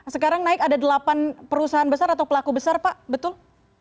sekarang naik ada delapan perusahaan besar atau pelaku besar pak betul